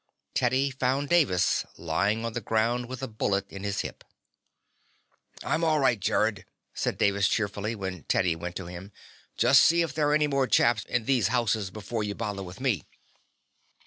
Teddy found Davis lying on the ground with a bullet in his hip. "I'm all right, Gerrod," said Davis cheerfully when Teddy went to him. "Just see if there are any more chaps in these houses before you bother with me."